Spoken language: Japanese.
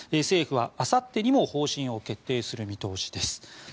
政府はあさってにも方針を決定する見通しです。